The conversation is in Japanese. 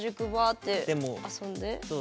そう。